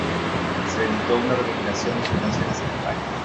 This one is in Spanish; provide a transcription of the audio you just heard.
Se editó una recopilación de sus canciones en España.